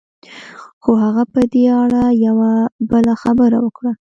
خو هغه په دې اړه يوه بله خبره وکړه.